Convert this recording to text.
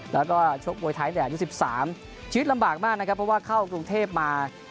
แล้วก็ชกมวยไทยแต่อายุ๑๓ชีวิตลำบากมากนะครับเพราะว่าเข้ากรุงเทพมา